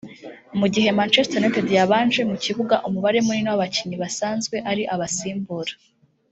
Mu gihe Manchester United yabanje mu kibuga umubare munini w’abakinnyi basanzwe ari abasimbura